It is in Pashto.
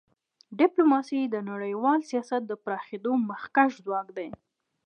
ډیپلوماسي د نړیوال سیاست د پراخېدو مخکښ ځواک دی.